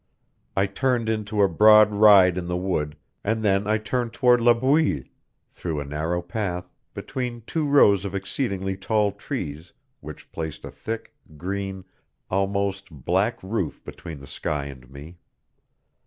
I turned into a broad ride in the wood, and then I turned toward La Bouille, through a narrow path, between two rows of exceedingly tall trees, which placed a thick, green, almost black roof between the sky and me.